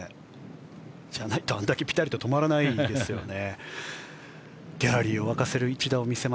じゃないとあれだけピタリと止まらないですけどね。